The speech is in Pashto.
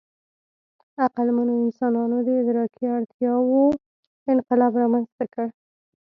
عقلمنو انسانانو د ادراکي وړتیاوو انقلاب رامنځ ته کړ.